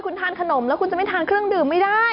คุณทานขนมแล้วคุณจะไม่ทานเครื่องดื่มไม่ได้